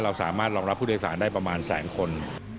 สามารถรองรับผู้โดยสารได้ประมาณแสนคน